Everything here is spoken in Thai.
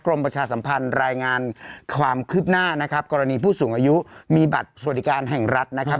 ประชาสัมพันธ์รายงานความคืบหน้านะครับกรณีผู้สูงอายุมีบัตรสวัสดิการแห่งรัฐนะครับ